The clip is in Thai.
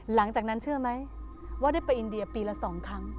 หลังจากนั้นเชื่อไหมว่าได้ไปอินเดียปีละ๒ครั้ง